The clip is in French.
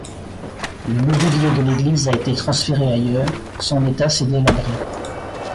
Le mobilier de l'église a été transféré ailleurs; son état s'est délabré.